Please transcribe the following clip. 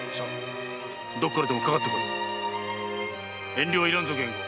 遠慮はいらぬぞ源吾。